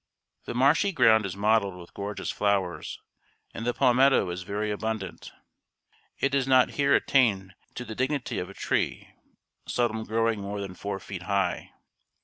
The marshy ground is mottled with gorgeous flowers, and the palmetto is very abundant. It does not here attain to the dignity of a tree, seldom growing more than four feet high.